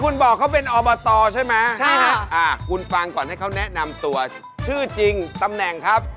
คุณบอกเขาเป็นอบตใช่ไหมคุณฟังก่อนให้เขาแนะนำตัวชื่อจริงตำแหน่งครับ